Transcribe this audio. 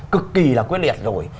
cực kì là quyết liệt rồi